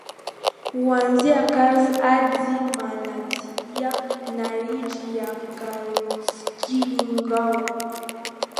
kuanzia Kars hadi Malatya na Ridge ya Karodzhsky ingawa